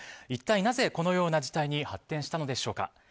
一体なぜこのような事態に発展したのでしょうか。